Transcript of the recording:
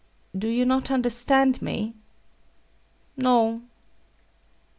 Do you not understand me? No.